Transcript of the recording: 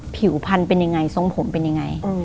ผิวพันธุ์เป็นยังไงทรงผมเป็นยังไง